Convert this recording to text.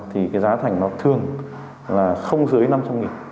thì cái giá thành nó thường là không dưới năm trăm linh nghìn